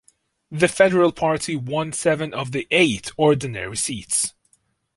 The Federal Party won seven of the eight ordinary seats.